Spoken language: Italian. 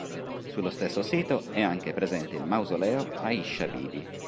Sullo stesso sito è anche presente il mausoleo Aisha Bibi.